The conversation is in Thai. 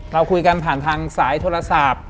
เราคุยกันผ่านทางสายโทรศัพท์